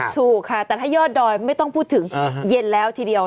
ถูกค่ะแต่ถ้ายอดดอยไม่ต้องพูดถึงเย็นแล้วทีเดียว